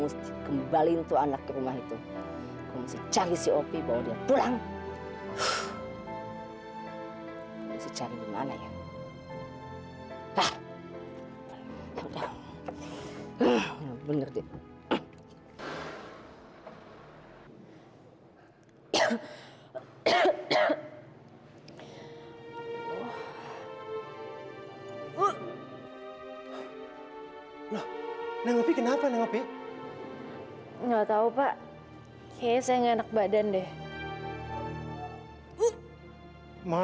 saya harus berterima kasih karena